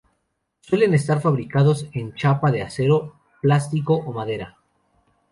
Suelen estar fabricadas en chapa de acero, plástico o madera.